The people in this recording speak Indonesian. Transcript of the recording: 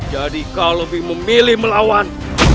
jadi kau lebih memilih melawan